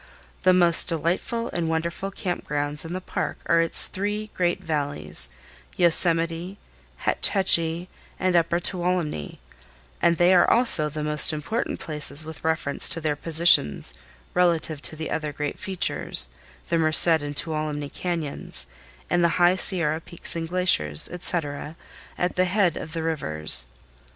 The most delightful and wonderful camp grounds in the Park are its three great valleys—Yosemite, Hetch Hetchy, and Upper Tuolumne; and they are also the most important places with reference to their positions relative to the other great features—the Merced and Tuolumne Cañons, and the High Sierra peaks and glaciers, etc., at the head of the rivers.